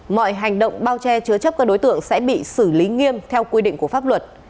mọi hành động bao che chứa chấp các đối tượng sẽ bị xử lý nghiêm theo quy định của pháp luật